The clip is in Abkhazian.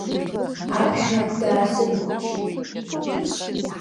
Аԥшәма даасықәымчит.